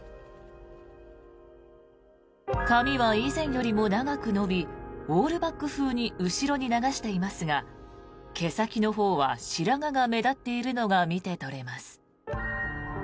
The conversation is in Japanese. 髪は以前よりも長く伸びオールバック風に後ろに流していますが毛先のほうは白髪が目立っているのが見て取れます。